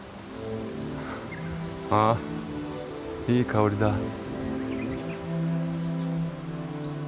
あいい香りだ。